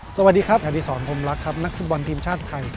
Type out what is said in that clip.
สวัสดีครับอดีศรพรมรักครับนักฟุตบอลทีมชาติไทย